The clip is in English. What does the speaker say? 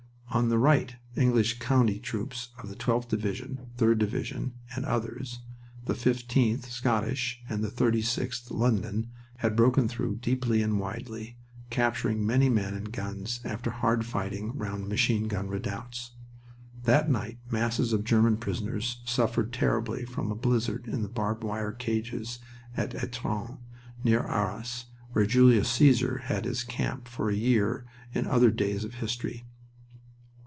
On the right English county troops of the 12th Division, 3d Division, and others, the 15th (Scottish) and the 36th (London) had broken through, deeply and widely, capturing many men and guns after hard fighting round machine gun redoubts. That night masses of German prisoners suffered terribly from a blizzard in the barbed wire cages at Etrun, by Arras, where Julius Caesar had his camp for a year in other days of history.